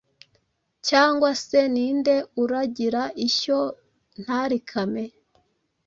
Cyangwa se ni nde uragira ishyo ntarikame?